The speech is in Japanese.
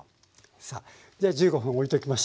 さあじゃあ１５分おいときましょう。